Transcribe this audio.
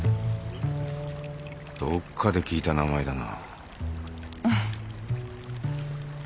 どっかで聞いた名前だな。